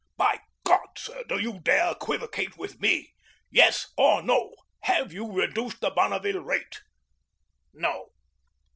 By God, sir, do you dare equivocate with me? Yes or no; have you reduced the Bonneville rate?" "No."